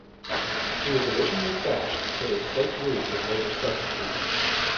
It was originally thatched, but a slate roof was later substituted.